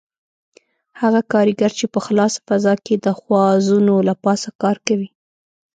هغه کاریګر چې په خلاصه فضا کې د خوازونو له پاسه کار کوي.